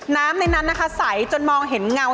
น้ำในนั้นนะคะใสจนมองเห็นเงา